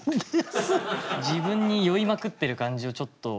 自分に酔いまくってる感じをちょっと。